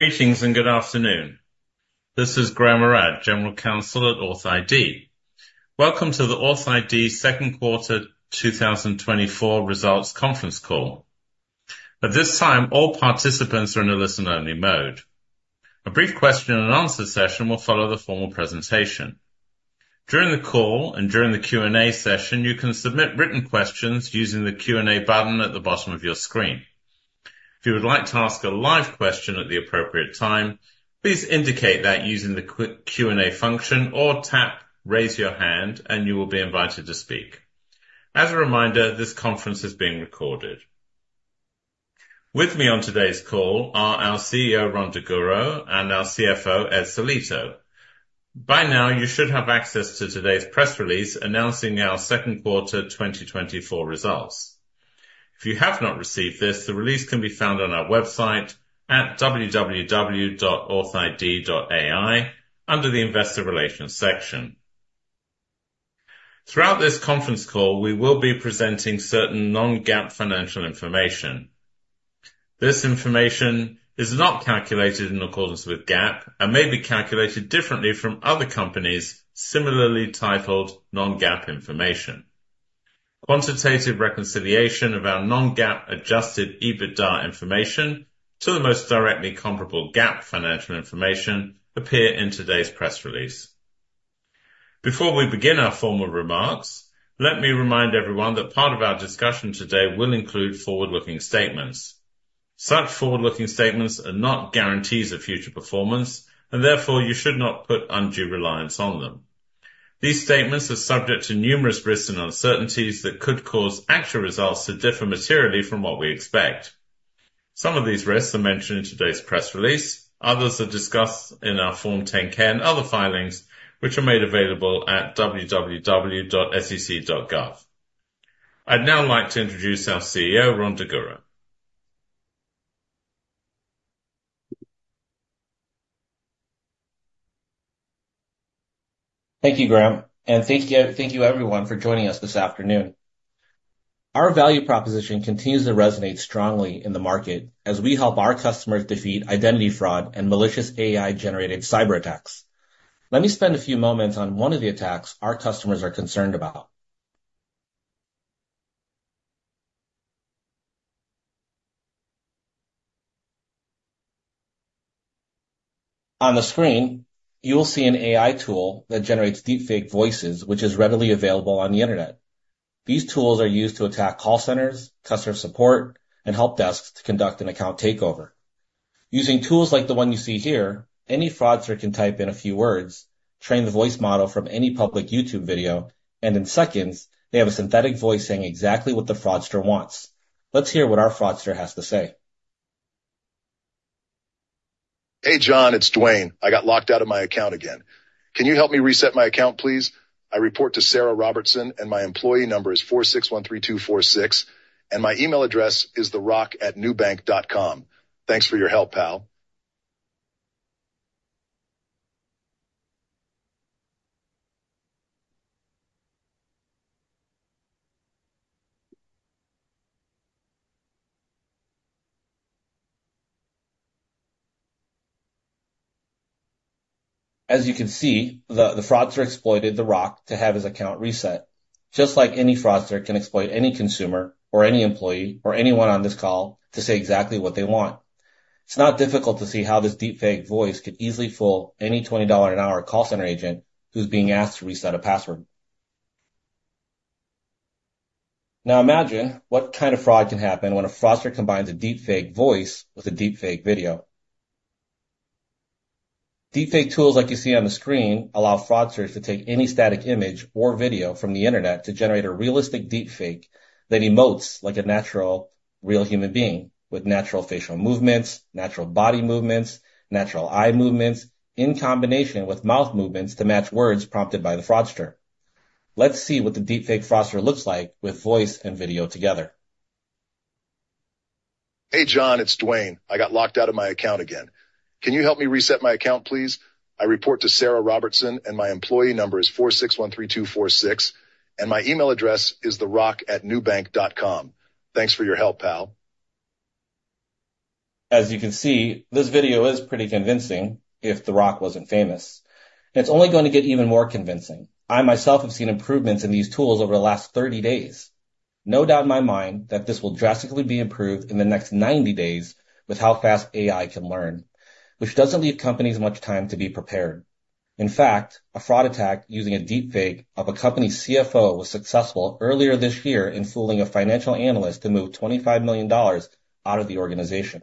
...Greetings, and good afternoon. This is Graham Arad, General Counsel at authID. Welcome to the authID second quarter 2024 results conference call. At this time, all participants are in a listen-only mode. A brief question and answer session will follow the formal presentation. During the call and during the Q&A session, you can submit written questions using the Q&A button at the bottom of your screen. If you would like to ask a live question at the appropriate time, please indicate that using the Q, Q&A function or tap Raise Your Hand, and you will be invited to speak. As a reminder, this conference is being recorded. With me on today's call are our CEO, Rhon Daguro, and our CFO, Ed Sellitto. By now, you should have access to today's press release announcing our second quarter 2024 results. If you have not received this, the release can be found on our website at www.authid.ai under the Investor Relations section. Throughout this conference call, we will be presenting certain non-GAAP financial information. This information is not calculated in accordance with GAAP and may be calculated differently from other companies' similarly titled non-GAAP information. Quantitative reconciliation of our non-GAAP Adjusted EBITDA information to the most directly comparable GAAP financial information appear in today's press release. Before we begin our formal remarks, let me remind everyone that part of our discussion today will include forward-looking statements. Such forward-looking statements are not guarantees of future performance, and therefore you should not put undue reliance on them. These statements are subject to numerous risks and uncertainties that could cause actual results to differ materially from what we expect. Some of these risks are mentioned in today's press release. Others are discussed in our Form 10-K and other filings, which are made available at www.sec.gov. I'd now like to introduce our CEO, Rhon Daguro. Thank you, Graham, and thank you, thank you, everyone, for joining us this afternoon. Our value proposition continues to resonate strongly in the market as we help our customers defeat identity fraud and malicious AI-generated cyberattacks. Let me spend a few moments on one of the attacks our customers are concerned about. On the screen, you will see an AI tool that generates deepfake voices, which is readily available on the Internet. These tools are used to attack call centers, customer support, and help desks to conduct an account takeover. Using tools like the one you see here, any fraudster can type in a few words, train the voice model from any public YouTube video, and in seconds, they have a synthetic voice saying exactly what the fraudster wants. Let's hear what our fraudster has to say. Hey, John, it's Dwayne. I got locked out of my account again. Can you help me reset my account, please? I report to Sarah Robertson, and my employee number is 4613246, and my email address is therock@newbank.com. Thanks for your help, pal. As you can see, the fraudster exploited The Rock to have his account reset. Just like any fraudster can exploit any consumer or any employee or anyone on this call to say exactly what they want. It's not difficult to see how this deepfake voice could easily fool any $20 an hour call center agent who's being asked to reset a password. Now, imagine what kind of fraud can happen when a fraudster combines a deepfake voice with a deepfake video. Deepfake tools, like you see on the screen, allow fraudsters to take any static image or video from the Internet to generate a realistic, deepfake that emotes like a natural, real human being, with natural facial movements, natural body movements, natural eye movements, in combination with mouth movements to match words prompted by the fraudster. Let's see what the deepfake fraudster looks like with voice and video together. Hey, John, it's Dwayne. I got locked out of my account again. Can you help me reset my account, please? I report to Sarah Robertson, and my employee number is 4613246, and my email address is therock@newbank.com. Thanks for your help, pal. As you can see, this video is pretty convincing if The Rock wasn't famous, and it's only going to get even more convincing. I myself have seen improvements in these tools over the last 30 days. No doubt in my mind that this will drastically be improved in the next 90 days with how fast AI can learn, which doesn't leave companies much time to be prepared. In fact, a fraud attack using a deepfake of a company's CFO was successful earlier this year in fooling a financial analyst to move $25 million out of the organization.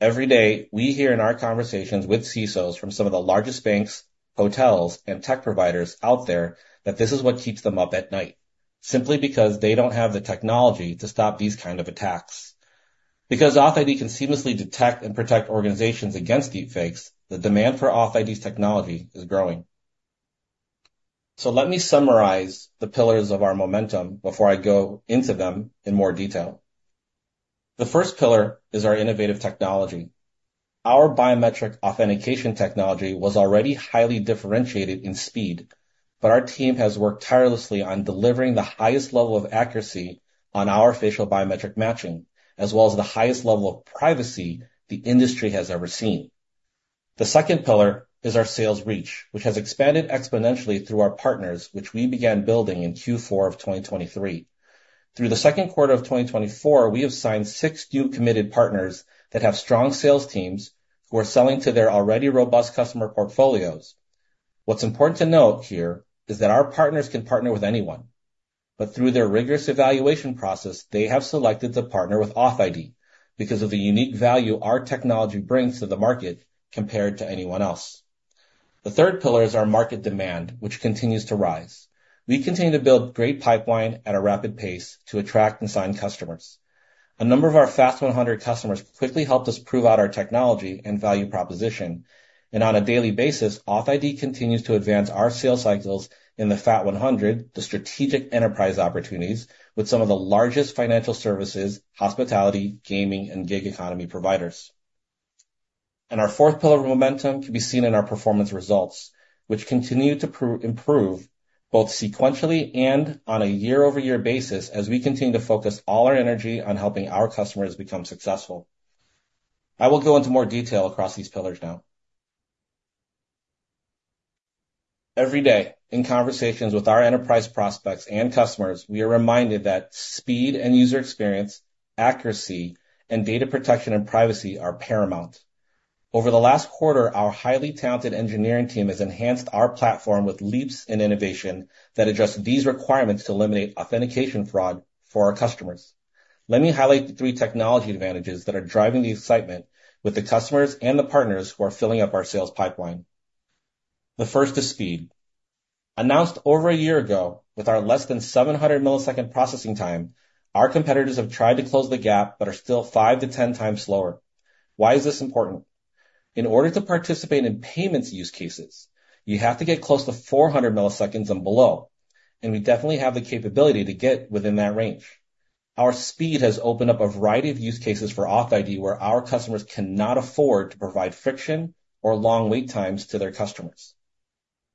Every day, we hear in our conversations with CISOs from some of the largest banks, hotels, and tech providers out there, that this is what keeps them up at night, simply because they don't have the technology to stop these kind of attacks. Because authID can seamlessly detect and protect organizations against deep fakes, the demand for authID's technology is growing. So let me summarize the pillars of our momentum before I go into them in more detail. The first pillar is our innovative technology. Our biometric authentication technology was already highly differentiated in speed... But our team has worked tirelessly on delivering the highest level of accuracy on our facial biometric matching, as well as the highest level of privacy the industry has ever seen. The second pillar is our sales reach, which has expanded exponentially through our partners, which we began building in Q4 of 2023. Through the second quarter of 2024, we have signed six new committed partners that have strong sales teams who are selling to their already robust customer portfolios. What's important to note here is that our partners can partner with anyone, but through their rigorous evaluation process, they have selected to partner with authID because of the unique value our technology brings to the market compared to anyone else. The third pillar is our market demand, which continues to rise. We continue to build great pipeline at a rapid pace to attract and sign customers. A number of our FAST 100 customers quickly helped us prove out our technology and value proposition, and on a daily basis, authID continues to advance our sales cycles in the FAT 100, the strategic enterprise opportunities with some of the largest financial services, hospitality, gaming, and gig economy providers. Our fourth pillar, momentum, can be seen in our performance results, which continue to improve both sequentially and on a year-over-year basis, as we continue to focus all our energy on helping our customers become successful. I will go into more detail across these pillars now. Every day, in conversations with our enterprise prospects and customers, we are reminded that speed and user experience, accuracy, and data protection and privacy are paramount. Over the last quarter, our highly talented engineering team has enhanced our platform with leaps in innovation that address these requirements to eliminate authentication fraud for our customers. Let me highlight the three technology advantages that are driving the excitement with the customers and the partners who are filling up our sales pipeline. The first is speed. Announced over a year ago with our less than 700 ms processing time, our competitors have tried to close the gap, but are still 5-10 times slower. Why is this important? In order to participate in payments use cases, you have to get close to 400 ms and below, and we definitely have the capability to get within that range. Our speed has opened up a variety of use cases for authID, where our customers cannot afford to provide friction or long wait times to their customers.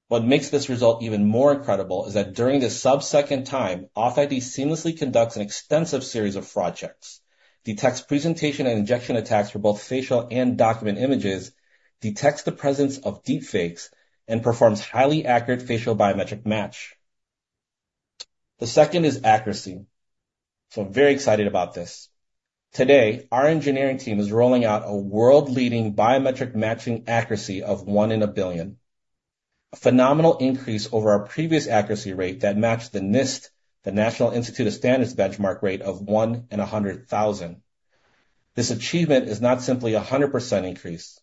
What makes this result even more incredible is that during this sub-second time, authID seamlessly conducts an extensive series of fraud checks, detects presentation and injection attacks for both facial and document images, detects the presence of deepfakes, and performs highly accurate facial biometric match. The second is accuracy. So I'm very excited about this. Today, our engineering team is rolling out a world-leading biometric matching accuracy of 1 in a billion. A phenomenal increase over our previous accuracy rate that matched the NIST, the National Institute of Standards, benchmark rate of 1 in 100,000. This achievement is not simply a 100% increase.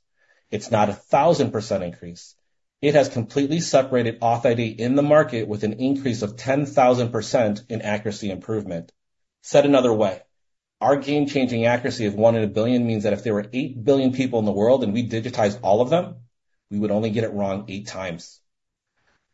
It's not a 1,000% increase. It has completely separated authID in the market with an increase of 10,000% in accuracy improvement. Said another way, our game-changing accuracy of 1 in a billion means that if there were 8 billion people in the world and we digitized all of them, we would only get it wrong eight times.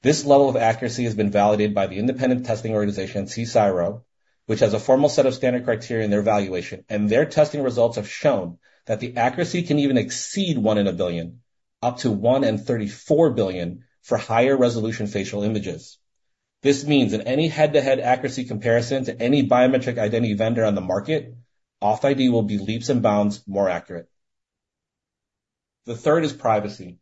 This level of accuracy has been validated by the independent testing organization, CSIRO, which has a formal set of standard criteria in their evaluation, and their testing results have shown that the accuracy can even exceed 1 in a billion, up to 1 in 34 billion for higher resolution facial images. This means that any head-to-head accuracy comparison to any biometric identity vendor on the market, authID will be leaps and bounds more accurate. The third is privacy.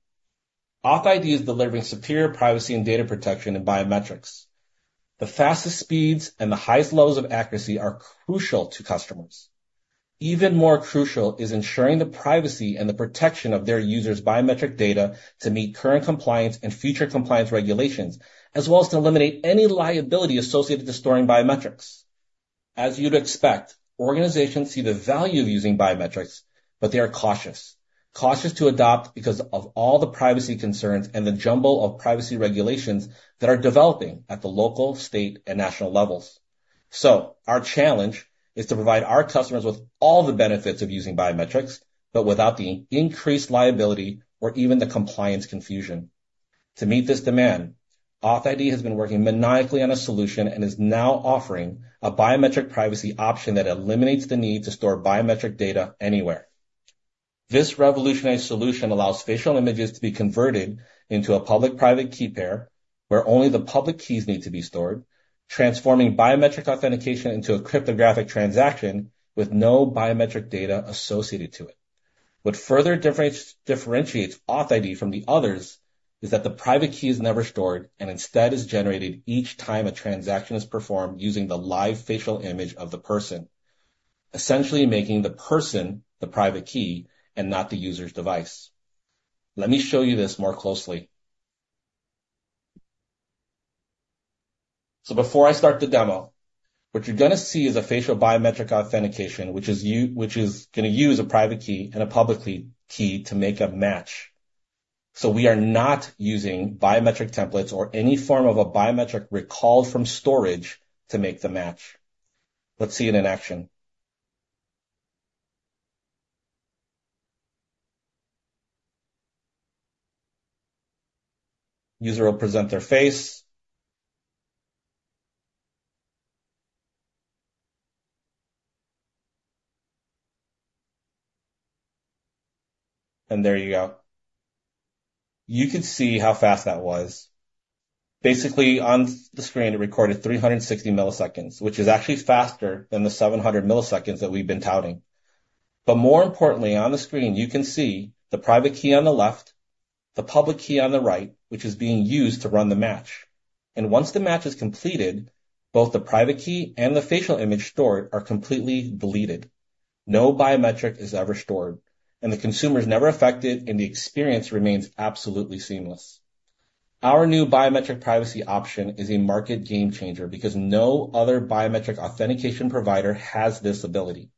authID is delivering superior privacy and data protection in biometrics. The fastest speeds and the highest levels of accuracy are crucial to customers. Even more crucial is ensuring the privacy and the protection of their users' biometric data to meet current compliance and future compliance regulations, as well as to eliminate any liability associated with storing biometrics. As you'd expect, organizations see the value of using biometrics, but they are cautious. Cautious to adopt because of all the privacy concerns and the jumble of privacy regulations that are developing at the local, state, and national levels. So our challenge is to provide our customers with all the benefits of using biometrics, but without the increased liability or even the compliance confusion. To meet this demand, authID has been working maniacally on a solution and is now offering a biometric privacy option that eliminates the need to store biometric data anywhere. This revolutionized solution allows facial images to be converted into a public-private key pair, where only the public keys need to be stored, transforming biometric authentication into a cryptographic transaction with no biometric data associated to it. What further differentiates AuthID from the others is that the private key is never stored, and instead is generated each time a transaction is performed using the live facial image of the person, essentially making the person the private key and not the user's device. Let me show you this more closely. So before I start the demo, what you're going to see is a facial biometric authentication, which is going to use a private key and a public key to make a match. So we are not using biometric templates or any form of a biometric recalled from storage to make the match. Let's see it in action. User will present their face.... You could see how fast that was. Basically, on the screen, it recorded 360 ms, which is actually faster than the 700 ms that we've been touting. But more importantly, on the screen, you can see the private key on the left, the public key on the right, which is being used to run the match. And once the match is completed, both the private key and the facial image stored are completely deleted. No biometric is ever stored, and the consumer is never affected, and the experience remains absolutely seamless. Our new biometric privacy option is a market game changer because no other biometric authentication provider has this ability.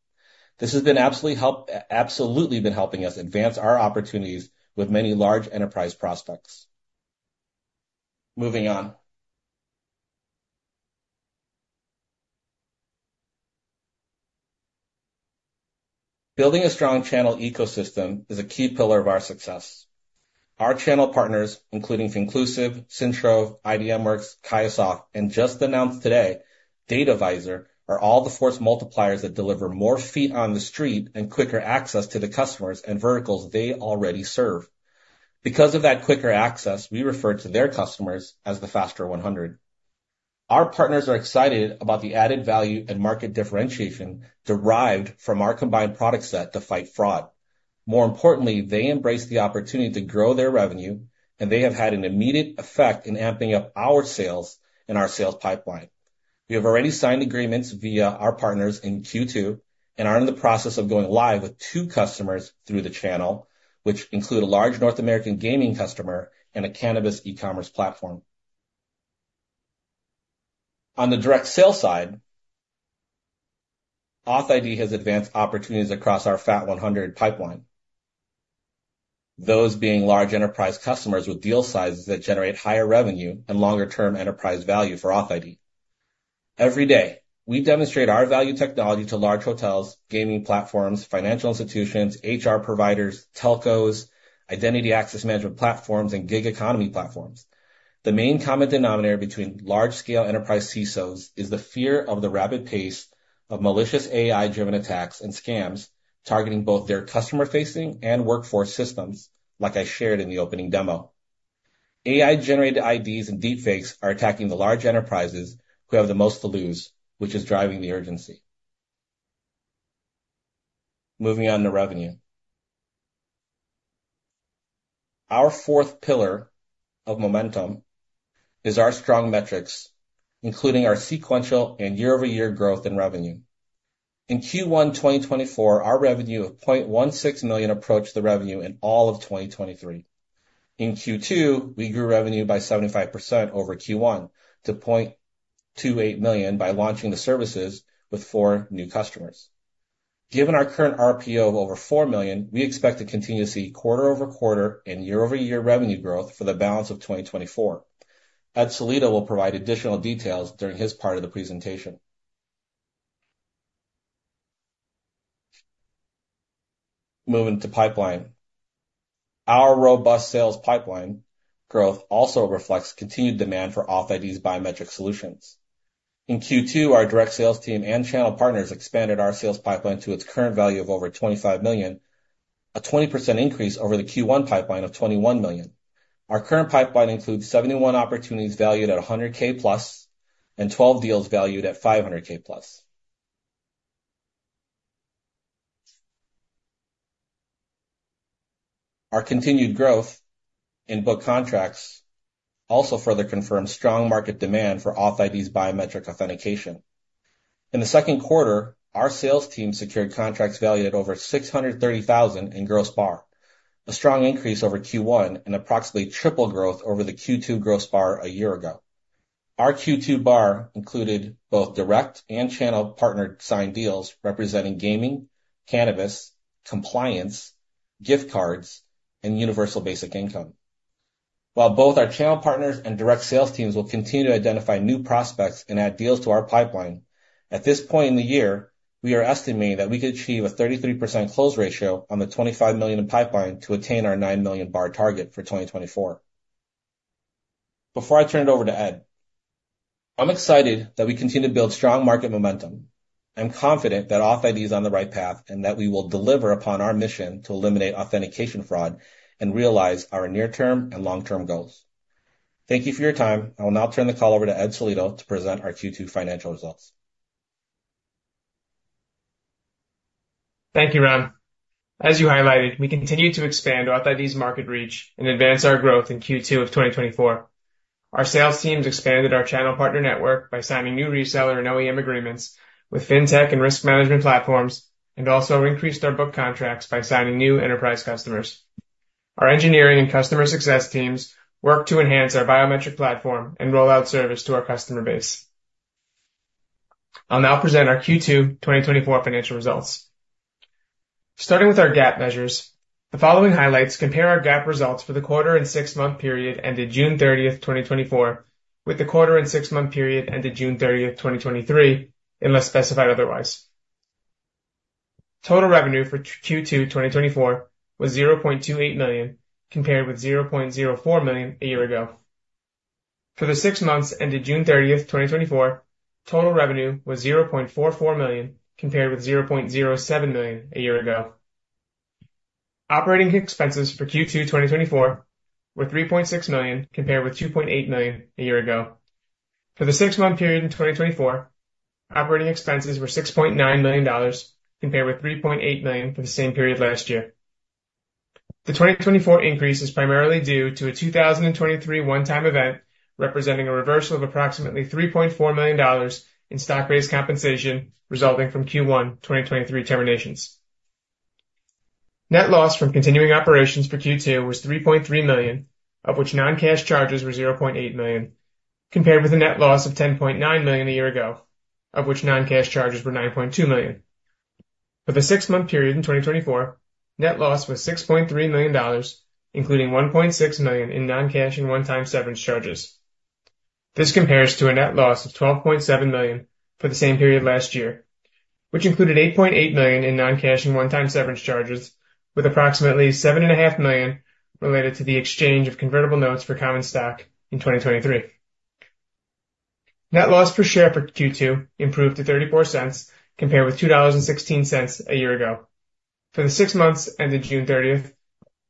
This has absolutely been helping us advance our opportunities with many large enterprise prospects. Moving on. Building a strong channel ecosystem is a key pillar of our success. Our channel partners, including FinClusive, Datum ID, IDWorks, Kios, and just announced today, DataVisor, are all the force multipliers that deliver more feet on the street and quicker access to the customers and verticals they already serve. Because of that quicker access, we refer to their customers as the Fast 100. Our partners are excited about the added value and market differentiation derived from our combined product set to fight fraud. More importantly, they embrace the opportunity to grow their revenue, and they have had an immediate effect in amping up our sales and our sales pipeline. We have already signed agreements via our partners in Q2 and are in the process of going live with two customers through the channel, which include a large North America gaming customer and a cannabis e-commerce platform. On the direct sales side, authID has advanced opportunities across our FAT 100 pipeline, those being large enterprise customers with deal sizes that generate higher revenue and longer-term enterprise value for authID. Every day, we demonstrate our value technology to large hotels, gaming platforms, financial institutions, HR providers, telcos, identity access management platforms, and gig economy platforms. The main common denominator between large-scale enterprise CISOs is the fear of the rapid pace of malicious AI-driven attacks and scams targeting both their customer-facing and workforce systems, like I shared in the opening demo. AI-generated IDs and deepfakes are attacking the large enterprises who have the most to lose, which is driving the urgency. Moving on to revenue. Our fourth pillar of momentum is our strong metrics, including our sequential and year-over-year growth in revenue. In Q1 2024, our revenue of $0.16 million approached the revenue in all of 2023. In Q2, we grew revenue by 75% over Q1 to $0.28 million by launching the services with 4 new customers. Given our current RPO of over $4 million, we expect to continue to see quarter-over-quarter and year-over-year revenue growth for the balance of 2024. Ed Sellitto will provide additional details during his part of the presentation. Moving to pipeline. Our robust sales pipeline growth also reflects continued demand for authID's biometric solutions. In Q2, our direct sales team and channel partners expanded our sales pipeline to its current value of over $25 million, a 20% increase over the Q1 pipeline of $21 million. Our current pipeline includes 71 opportunities valued at $100K plus and 12 deals valued at $500K plus. Our continued growth in book contracts also further confirms strong market demand for authID's biometric authentication. In the second quarter, our sales team secured contracts valued at over $630,000 in gross BAR, a strong increase over Q1 and approximately triple growth over the Q2 gross BAR a year ago. Our Q2 BAR included both direct and channel partner signed deals representing gaming, cannabis, compliance, gift cards, and universal basic income. While both our channel partners and direct sales teams will continue to identify new prospects and add deals to our pipeline, at this point in the year, we are estimating that we could achieve a 33% close ratio on the $25 million in pipeline to attain our $9 million BAR target for 2024. Before I turn it over to Ed, I'm excited that we continue to build strong market momentum. I'm confident that authID is on the right path and that we will deliver upon our mission to eliminate authentication fraud and realize our near-term and long-term goals. Thank you for your time. I will now turn the call over to Ed Sellitto to present our Q2 financial results. Thank you, Rhon. As you highlighted, we continue to expand authID's market reach and advance our growth in Q2 of 2024. Our sales teams expanded our channel partner network by signing new reseller and OEM agreements with Fintech and risk management platforms, and also increased our book contracts by signing new enterprise customers. Our engineering and customer success teams work to enhance our biometric platform and roll out service to our customer base. I'll now present our Q2 2024 financial results. Starting with our GAAP measures, the following highlights compare our GAAP results for the quarter and six-month period ended June 30, 2024, with the quarter and six-month period ended June 30, 2023, unless specified otherwise. Total revenue for Q2 2024 was $0.28 million, compared with $0.04 million a year ago. For the six months ended June 30, 2024, total revenue was $0.44 million, compared with $0.07 million a year ago. Operating expenses for Q2 2024 were $3.6 million, compared with $2.8 million a year ago. For the six-month period in 2024, operating expenses were $6.9 million, compared with $3.8 million for the same period last year. The 2024 increase is primarily due to a 2023 one-time event, representing a reversal of approximately $3.4 million in stock-based compensation, resulting from Q1 2023 terminations. Net loss from continuing operations for Q2 was $3.3 million, of which non-cash charges were $0.8 million, compared with a net loss of $10.9 million a year ago, of which non-cash charges were $9.2 million. For the six-month period in 2024, net loss was $6.3 million, including $1.6 million in non-cash and one-time severance charges. This compares to a net loss of $12.7 million for the same period last year, which included $8.8 million in non-cash and one-time severance charges, with approximately $7.5 million related to the exchange of convertible notes for common stock in 2023. Net loss per share for Q2 improved to $0.34, compared with $2.16 a year ago. For the six months ended June 30th,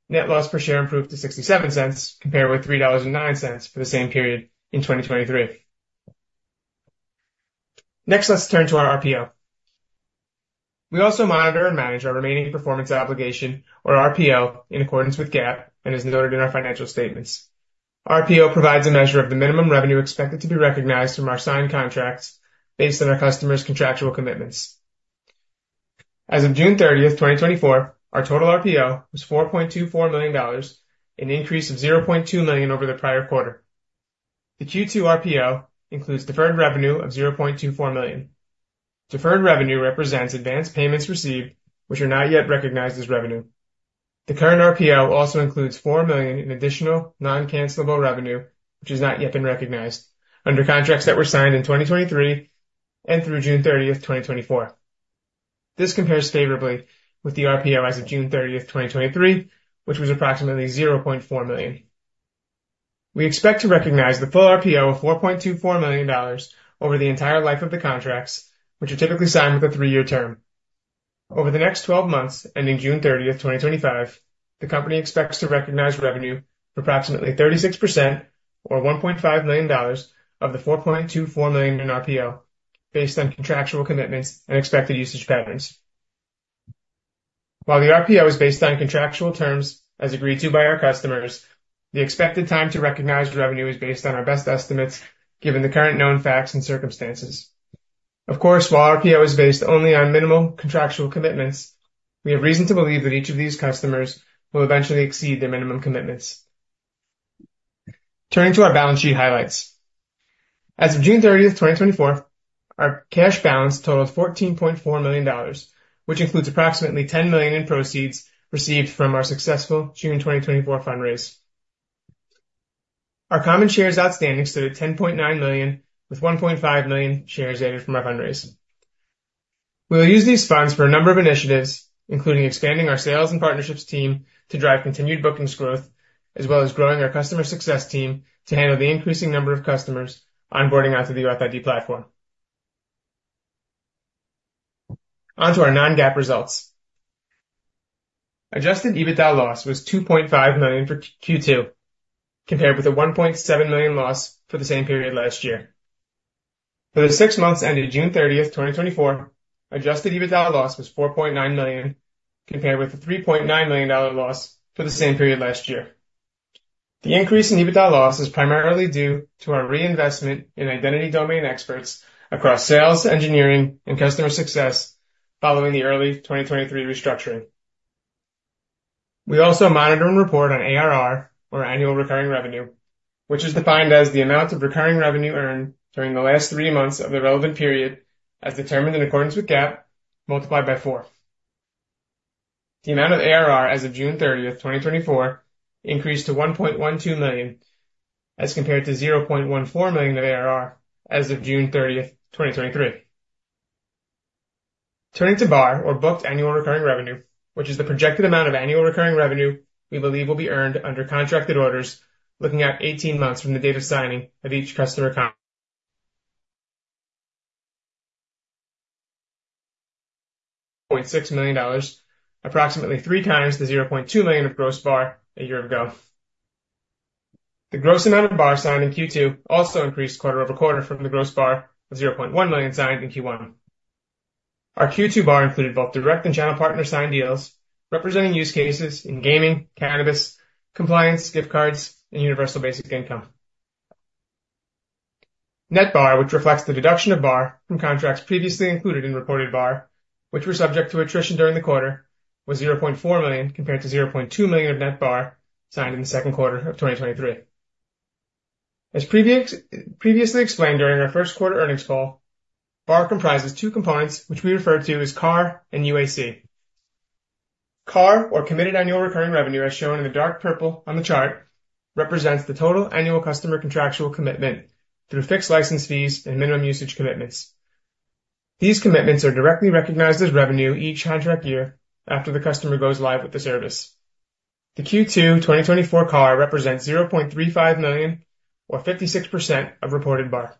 net loss per share improved to $0.67, compared with $3.09 for the same period in 2023. Next, let's turn to our RPO. We also monitor and manage our remaining performance obligation, or RPO, in accordance with GAAP and as noted in our financial statements. RPO provides a measure of the minimum revenue expected to be recognized from our signed contracts based on our customers' contractual commitments. As of June thirtieth, 2024, our total RPO was $4.24 million, an increase of $0.2 million over the prior quarter. The Q2 RPO includes deferred revenue of $0.24 million. Deferred revenue represents advanced payments received, which are not yet recognized as revenue. The current RPO also includes $4 million in additional non-cancellable revenue, which has not yet been recognized under contracts that were signed in 2023 and through June 30, 2024. This compares favorably with the RPO as of June 30, 2023, which was approximately $0.4 million. We expect to recognize the full RPO of $4.24 million over the entire life of the contracts, which are typically signed with a three-year term. Over the next 12 months, ending June 30, 2025, the company expects to recognize revenue for approximately 36% or $1.5 million of the $4.24 million in RPO, based on contractual commitments and expected usage patterns. While the RPO is based on contractual terms as agreed to by our customers, the expected time to recognize revenue is based on our best estimates, given the current known facts and circumstances. Of course, while RPO is based only on minimal contractual commitments, we have reason to believe that each of these customers will eventually exceed their minimum commitments. Turning to our balance sheet highlights. As of June 30, 2024, our cash balance totaled $14.4 million, which includes approximately $10 million in proceeds received from our successful June 2024 fundraise. Our common shares outstanding stood at 10.9 million, with 1.5 million shares added from our fundraise. We'll use these funds for a number of initiatives, including expanding our sales and partnerships team to drive continued bookings growth, as well as growing our customer success team to handle the increasing number of customers onboarding onto the IDX platform. On to our non-GAAP results. Adjusted EBITDA loss was $2.5 million for Q2, compared with a $1.7 million loss for the same period last year. For the six months ended June 30, 2024, adjusted EBITDA loss was $4.9 million, compared with a $3.9 million loss for the same period last year. The increase in EBITDA loss is primarily due to our reinvestment in identity domain experts across sales, engineering, and customer success following the early 2023 restructuring. We also monitor and report on ARR, or annual recurring revenue, which is defined as the amount of recurring revenue earned during the last three months of the relevant period, as determined in accordance with GAAP, multiplied by four. The amount of ARR as of June 30, 2024, increased to $1.12 million, as compared to $0.14 million of ARR as of June 30, 2023. Turning to BAR, or booked annual recurring revenue, which is the projected amount of annual recurring revenue we believe will be earned under contracted orders, looking out 18 months from the date of signing of each customer account. $0.6 million, approximately 3 times the $0.2 million of gross BAR a year ago. The gross amount of BAR signed in Q2 also increased quarter-over-quarter from the gross BAR of $0.1 million signed in Q1. Our Q2 BAR included both direct and channel partner signed deals, representing use cases in gaming, cannabis, compliance, gift cards, and universal basic income. Net BAR, which reflects the deduction of BAR from contracts previously included in reported BAR, which were subject to attrition during the quarter, was $0.4 million, compared to $0.2 million of net BAR signed in the second quarter of 2023. As previously explained during our first quarter earnings call, BAR comprises two components, which we refer to as CARR and UAC. CARR, or committed annual recurring revenue, as shown in the dark purple on the chart, represents the total annual customer contractual commitment through fixed license fees and minimum usage commitments.... These commitments are directly recognized as revenue each contract year after the customer goes live with the service. The Q2 2024 CARR represents $0.35 million, or 56% of reported BAR.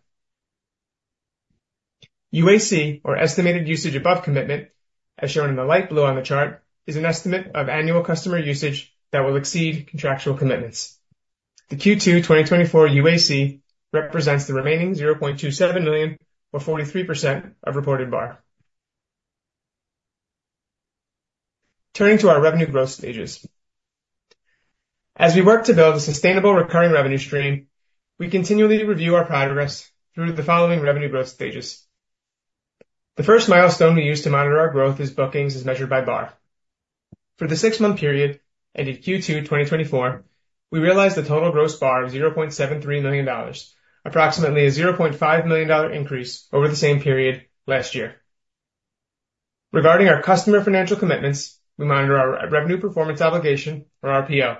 UAC, or estimated usage above commitment, as shown in the light blue on the chart, is an estimate of annual customer usage that will exceed contractual commitments. The Q2 2024 UAC represents the remaining $0.27 million, or 43%, of reported BAR. Turning to our revenue growth stages. As we work to build a sustainable recurring revenue stream, we continually review our progress through the following revenue growth stages. The first milestone we use to monitor our growth is bookings, as measured by BAR. For the six-month period, ending Q2 2024, we realized a total gross BAR of $0.73 million, approximately a $0.5 million increase over the same period last year. Regarding our customer financial commitments, we monitor our revenue performance obligation, or RPO.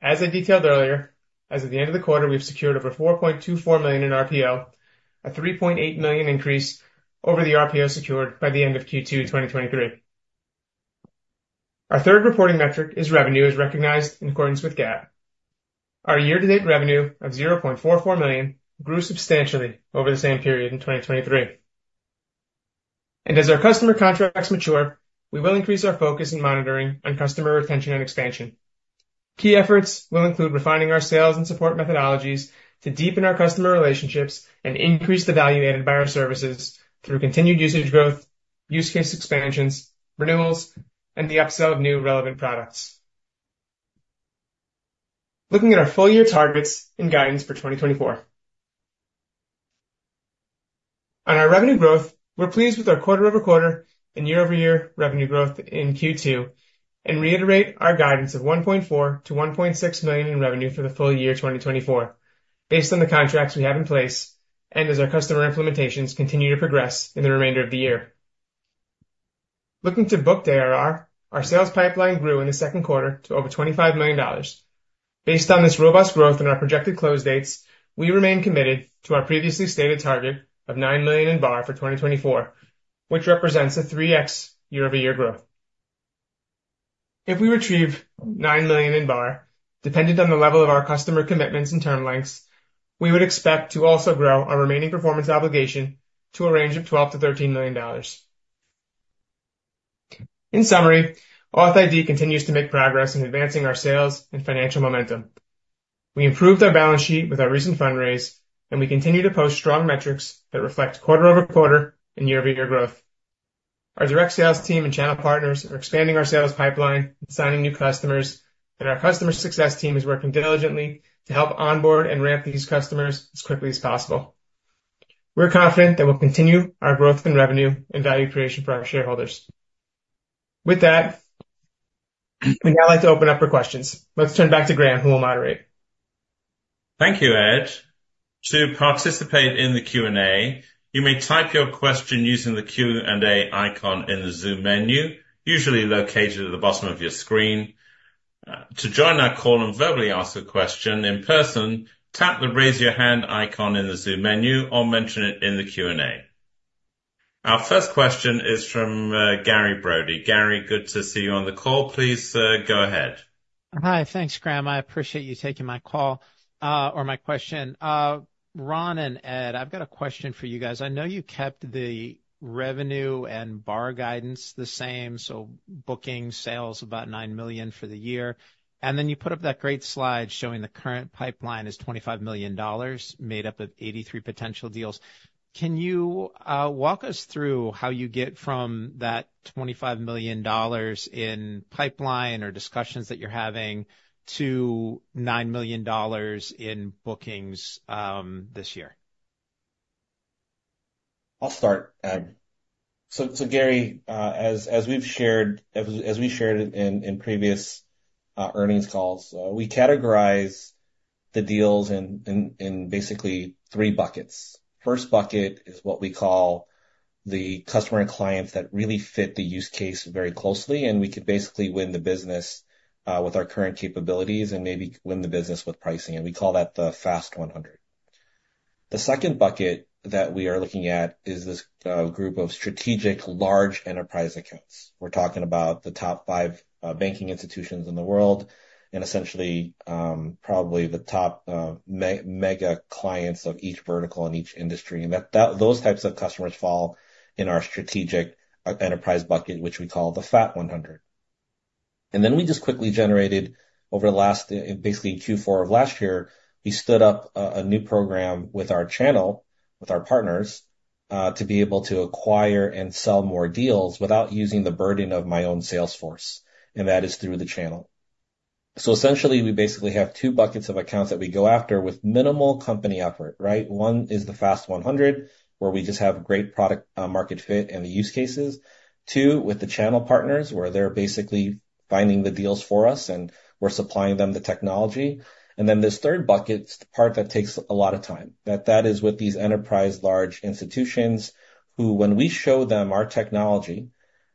As I detailed earlier, as of the end of the quarter, we've secured over $4.24 million in RPO, a $3.8 million increase over the RPO secured by the end of Q2 2023. Our third reporting metric is revenue, as recognized in accordance with GAAP. Our year-to-date revenue of $0.44 million grew substantially over the same period in 2023. As our customer contracts mature, we will increase our focus in monitoring on customer retention and expansion. Key efforts will include refining our sales and support methodologies to deepen our customer relationships and increase the value added by our services through continued usage growth, use case expansions, renewals, and the upsell of new relevant products. Looking at our full year targets and guidance for 2024. On our revenue growth, we're pleased with our quarter-over-quarter and year-over-year revenue growth in Q2, and reiterate our guidance of $1.4 million-$1.6 million in revenue for the full year 2024, based on the contracts we have in place, and as our customer implementations continue to progress in the remainder of the year. Looking to booked ARR, our sales pipeline grew in the second quarter to over $25 million. Based on this robust growth and our projected close dates, we remain committed to our previously stated target of $9 million in BAR for 2024, which represents a 3x year-over-year growth. If we retrieve $9 million in BAR, dependent on the level of our customer commitments and term lengths, we would expect to also grow our remaining performance obligation to a range of $12 million-$13 million. In summary, authID continues to make progress in advancing our sales and financial momentum. We improved our balance sheet with our recent fundraise, and we continue to post strong metrics that reflect quarter-over-quarter and year-over-year growth. Our direct sales team and channel partners are expanding our sales pipeline and signing new customers, and our customer success team is working diligently to help onboard and ramp these customers as quickly as possible. We're confident that we'll continue our growth in revenue and value creation for our shareholders. With that, we'd now like to open up for questions. Let's turn back to Graham, who will moderate. Thank you, Ed. To participate in the Q&A, you may type your question using the Q&A icon in the Zoom menu, usually located at the bottom of your screen. To join our call and verbally ask a question in person, tap the Raise Your Hand icon in the Zoom menu, or mention it in the Q&A. Our first question is from Gary Brode. Gary, good to see you on the call. Please go ahead. Hi. Thanks, Graham. I appreciate you taking my call or my question. Rhon and Ed, I've got a question for you guys. I know you kept the revenue and BAR guidance the same, so booking sales about $9 million for the year. And then you put up that great slide showing the current pipeline is $25 million, made up of 83 potential deals. Can you walk us through how you get from that $25 million in pipeline or discussions that you're having to $9 million in bookings this year? I'll start, Ed. So, Gary, as we've shared in previous earnings calls, we categorize the deals in basically three buckets. First bucket is what we call the customer and clients that really fit the use case very closely, and we could basically win the business with our current capabilities and maybe win the business with pricing, and we call that the FAST 100. The second bucket that we are looking at is this group of strategic large enterprise accounts. We're talking about the top five banking institutions in the world, and essentially, probably the top mega clients of each vertical in each industry. Those types of customers fall in our strategic enterprise bucket, which we call the FAT 100. And then we just quickly generated over the last, basically Q4 of last year, we stood up a new program with our channel, with our partners, to be able to acquire and sell more deals without using the burden of my own sales force, and that is through the channel. So essentially, we basically have two buckets of accounts that we go after with minimal company effort, right? One is the FAST 100, where we just have great product, market fit and the use cases. Two, with the channel partners, where they're basically finding the deals for us, and we're supplying them the technology. And then this third bucket, it's the part that takes a lot of time, that is with these enterprise large institutions, who, when we show them our technology-...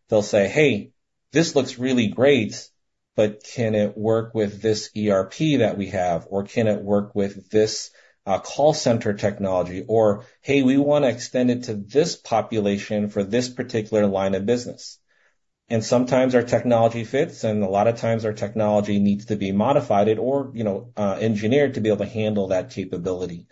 They'll say, "Hey, this looks really great, but can it work with this ERP that we have? Or can it work with this call center technology?" Or, "Hey, we wanna extend it to this population for this particular line of business." And sometimes our technology fits, and a lot of times our technology needs to be modified or, you know, engineered to be able to handle that capability.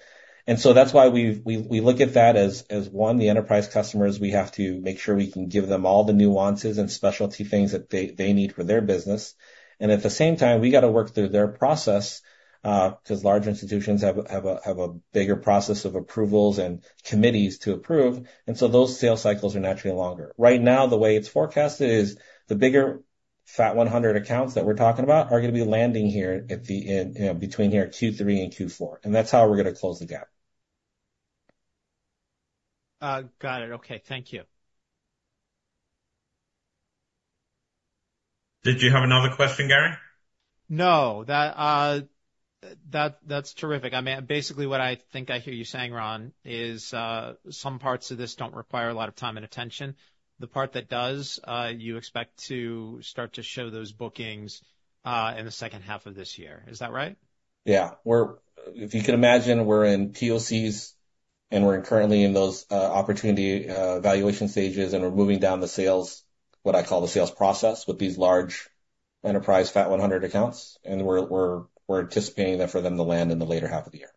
And so that's why we look at that as the enterprise customers; we have to make sure we can give them all the nuances and specialty things that they need for their business. And at the same time, we gotta work through their process, 'cause large institutions have a bigger process of approvals and committees to approve, and so those sales cycles are naturally longer. Right now, the way it's forecasted is the bigger FAT 100 accounts that we're talking about are gonna be landing here at the end, you know, between here Q3 and Q4, and that's how we're gonna close the gap. Got it. Okay, thank you. Did you have another question, Gary? No, that's terrific. I mean, basically, what I think I hear you saying, Rhon, is some parts of this don't require a lot of time and attention. The part that does, you expect to start to show those bookings in the second half of this year. Is that right? Yeah. We're—if you can imagine, we're in POCs, and we're currently in those opportunity evaluation stages, and we're moving down the sales, what I call the sales process, with these large enterprise FAT 100 accounts, and we're anticipating that for them to land in the later half of the year.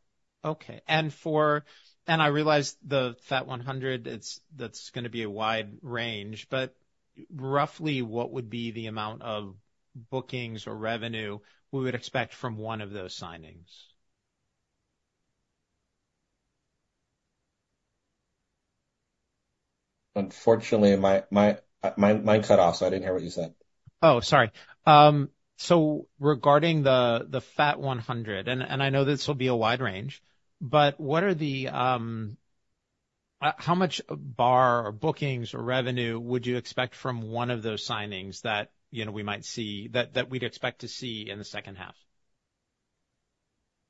Okay. I realize the FAT 100, it's—that's gonna be a wide range, but roughly, what would be the amount of bookings or revenue we would expect from one of those signings? Unfortunately, my line cut off, so I didn't hear what you said. Oh, sorry. So regarding the FAT 100, and I know this will be a wide range, but what are the how much BAR or bookings or revenue would you expect from one of those signings that, you know, we might see that we'd expect to see in the second half?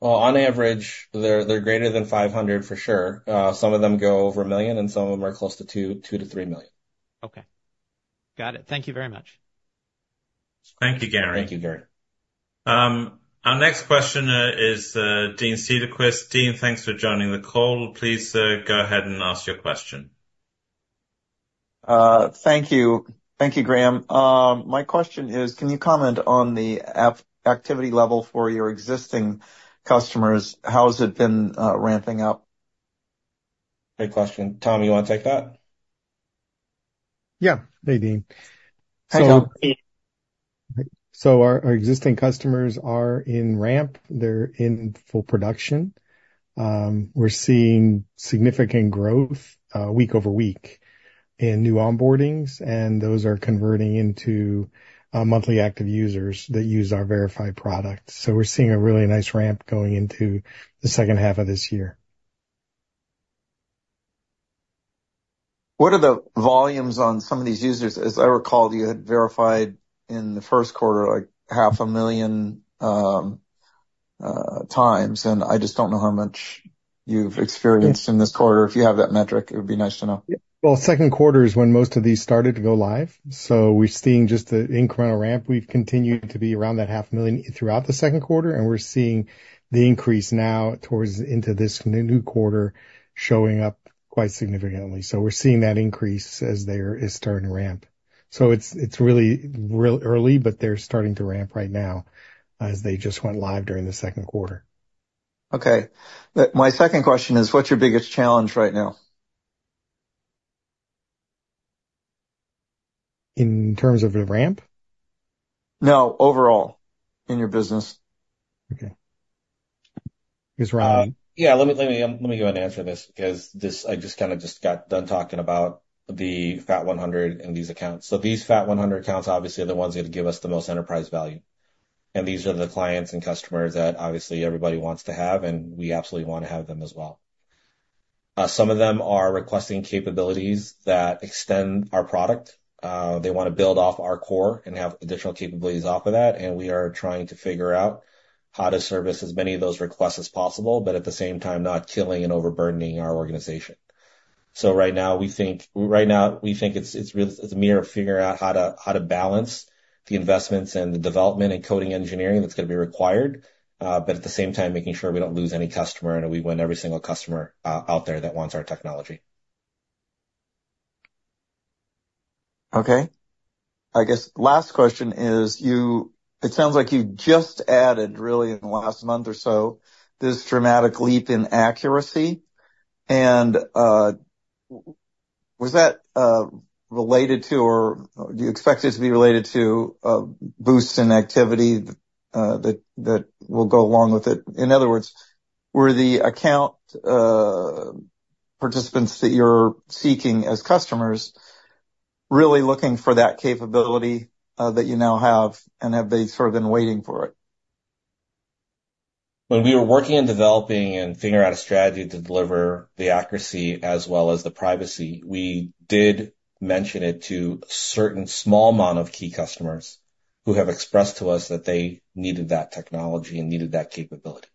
Well, on average, they're greater than $500, for sure. Some of them go over $1 million, and some of them are close to $2 million-$3 million. Okay. Got it. Thank you very much. Thank you, Gary. Thank you, Gary. Our next question is Dean Cederquist. Dean, thanks for joining the call. Please, go ahead and ask your question. Thank you. Thank you, Graham. My question is, can you comment on the activity level for your existing customers? How has it been ramping up? Great question. Tom, you wanna take that? Yeah. Hey, Dean. Hi, Tom. So our existing customers are in ramp, they're in full production. We're seeing significant growth week over week in new onboardings, and those are converting into monthly active users that use our Verified product. So we're seeing a really nice ramp going into the second half of this year. What are the volumes on some of these users? As I recalled, you had verified in the first quarter, like, 500,000 times, and I just don't know how much you've experienced- Yeah in this quarter. If you have that metric, it would be nice to know. Well, second quarter is when most of these started to go live, so we're seeing just an incremental ramp. We've continued to be around that $500,000 throughout the second quarter, and we're seeing the increase now towards into this new quarter, showing up quite significantly. So we're seeing that increase as there is starting to ramp. So it's really real early, but they're starting to ramp right now as they just went live during the second quarter. Okay. My second question is: What's your biggest challenge right now? In terms of the ramp? No, overall, in your business. Okay. Here's Rhon. Yeah, let me, let me, let me go and answer this because this, I just kinda just got done talking about the FAT 100 and these accounts. So these FAT 100 accounts, obviously, are the ones that give us the most enterprise value, and these are the clients and customers that obviously everybody wants to have, and we absolutely wanna have them as well. Some of them are requesting capabilities that extend our product. They wanna build off our core and have additional capabilities off of that, and we are trying to figure out how to service as many of those requests as possible, but at the same time, not killing and overburdening our organization. Right now, we think, right now, we think it's really a matter of figuring out how to balance the investments and the development and coding engineering that's gonna be required, but at the same time, making sure we don't lose any customer and we win every single customer out there that wants our technology. Okay. I guess last question is, it sounds like you just added, really, in the last month or so, this dramatic leap in accuracy. And, was that related to, or do you expect it to be related to, boosts in activity that will go along with it? In other words, were the account participants that you're seeking as customers really looking for that capability that you now have, and have they sort of been waiting for it? When we were working on developing and figuring out a strategy to deliver the accuracy as well as the privacy, we did mention it to a certain small amount of key customers who have expressed to us that they needed that technology and needed that capability.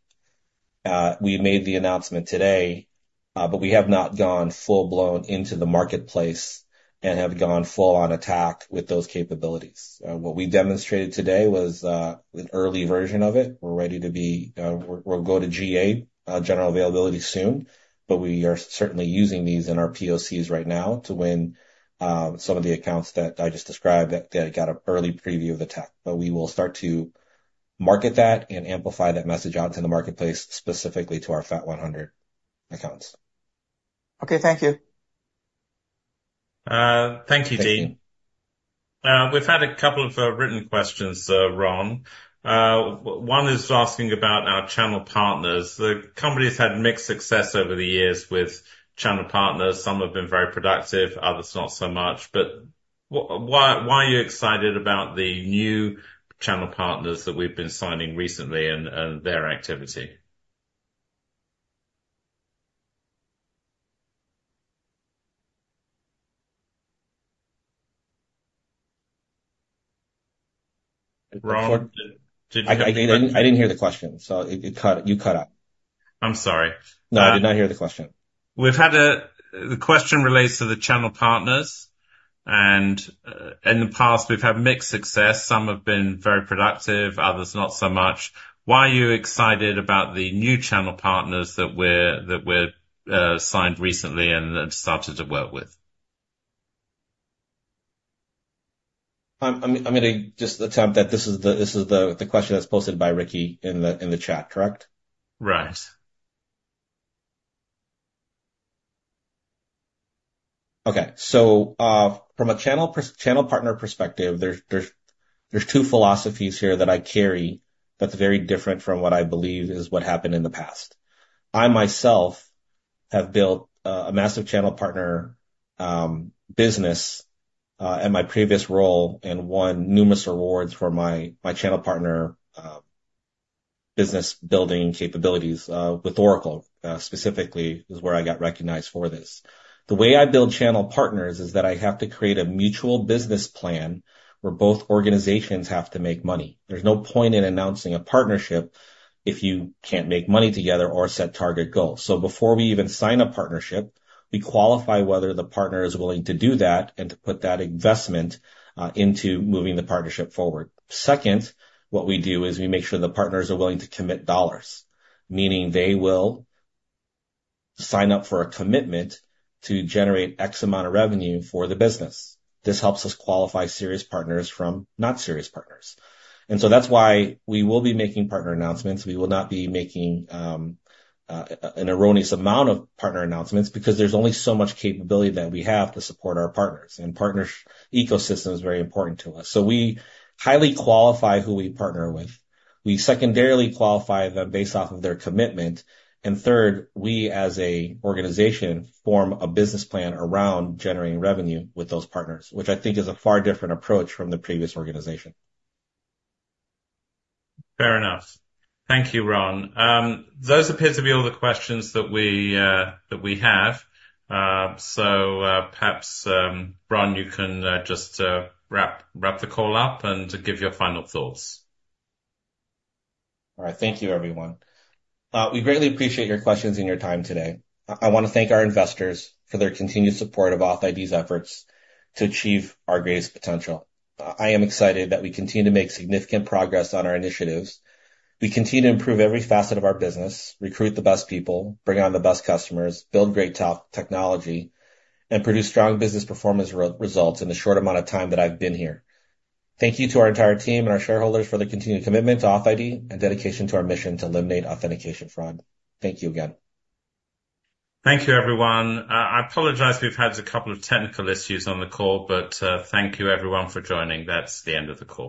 We made the announcement today, but we have not gone full-blown into the marketplace and have gone full-on attack with those capabilities. What we demonstrated today was an early version of it. We're ready to go to GA, general availability soon. But we are certainly using these in our POCs right now to win some of the accounts that I just described that got an early preview of the tech. But we will start to market that and amplify that message out to the marketplace, specifically to our FAT 100 accounts. Okay, thank you. Thank you, Dean. Thank you. We've had a couple of written questions, Rhon. One is asking about our channel partners. The company's had mixed success over the years with channel partners. Some have been very productive, others not so much. But why are you excited about the new channel partners that we've been signing recently and their activity? Rhon, did- I didn't hear the question, so it cut. You cut out. I'm sorry. No, I did not hear the question. The question relates to the channel partners, and in the past, we've had mixed success. Some have been very productive, others not so much. Why are you excited about the new channel partners that we're signed recently and have started to work with? I'm gonna just attempt that this is the question that's posted by Ricky in the chat, correct? Right. Okay. So, from a channel partner perspective, there's two philosophies here that I carry that's very different from what I believe is what happened in the past. I myself have built a massive channel partner business in my previous role and won numerous awards for my channel partner business building capabilities with Oracle specifically is where I got recognized for this. The way I build channel partners is that I have to create a mutual business plan, where both organizations have to make money. There's no point in announcing a partnership if you can't make money together or set target goals. So before we even sign a partnership, we qualify whether the partner is willing to do that and to put that investment into moving the partnership forward. Second, what we do is we make sure the partners are willing to commit dollars, meaning they will sign up for a commitment to generate X amount of revenue for the business. This helps us qualify serious partners from not serious partners. That's why we will be making partner announcements. We will not be making an erroneous amount of partner announcements, because there's only so much capability that we have to support our partners, and partners ecosystem is very important to us. So we highly qualify who we partner with. We secondarily qualify them based off of their commitment, and third, we, as an organization, form a business plan around generating revenue with those partners, which I think is a far different approach from the previous organization. Fair enough. Thank you, Rhon. Those appear to be all the questions that we, that we have. So, perhaps, Rhon, you can just wrap, wrap the call up and give your final thoughts. All right. Thank you, everyone. We greatly appreciate your questions and your time today. I want to thank our investors for their continued support of authID's efforts to achieve our greatest potential. I am excited that we continue to make significant progress on our initiatives. We continue to improve every facet of our business, recruit the best people, bring on the best customers, build great technology, and produce strong business performance results in the short amount of time that I've been here. Thank you to our entire team and our shareholders for their continued commitment to authID and dedication to our mission to eliminate authentication fraud. Thank you again. Thank you, everyone. I apologize, we've had a couple of technical issues on the call, but, thank you, everyone, for joining. That's the end of the call.